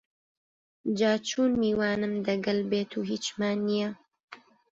جاچون میوانم دەگەل بێت و هیچمان نییە